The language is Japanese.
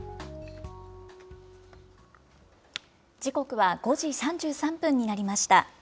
時刻は５時３３分になりました。